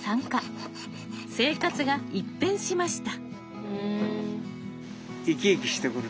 生活が一変しました。